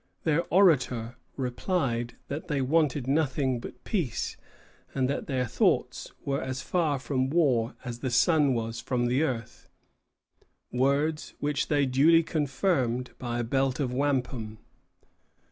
Their orator replied that they wanted nothing but peace, and that their thoughts were as far from war as the sun was from the earth, words which they duly confirmed by a belt of wampum.